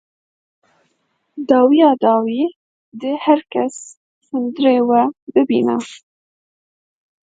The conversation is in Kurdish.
Dawiya dawî dê her kes hundirê we bibîne.